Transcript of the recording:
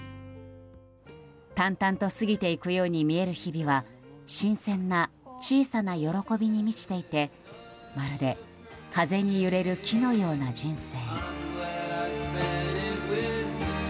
淡々と過ぎていくように見える日々は新鮮な小さな喜びに満ちていてまるで風に揺れる木のような人生。